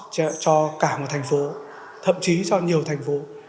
cho cả một thành phố thậm chí cho nhiều thành phố